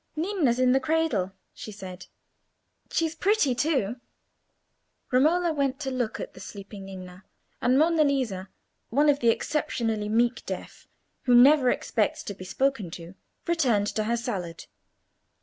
"Ninna's in the cradle," she said. "She's pretty too." Romola went to look at the sleeping Ninna, and Monna Lisa, one of the exceptionally meek deaf, who never expect to be spoken to, returned to her salad.